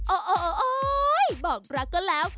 โอ้โหบอกรักก็แล้ว